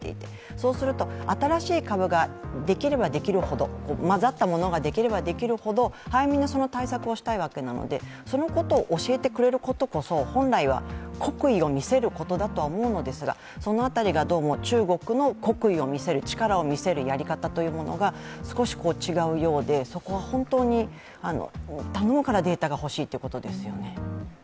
そうすると、新しい株ができればできるほど、まざったものが、できればできるほど早めにその対策をしたいわけなので、そのことを教えてくれることこそ本来は国威を見せることだと思うのですが、その辺りが中国の国威を見せる力を見せるやり方というのが少し違うようで、そこは本当に頼むからデータが欲しいということですよね。